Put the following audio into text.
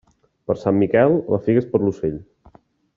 Per sant Miquel, la figa és per a l'ocell.